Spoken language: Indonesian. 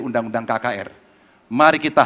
undang undang kkr mari kita